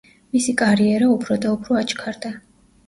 მისი კარიერა უფრო და უფრო აჩქარდა.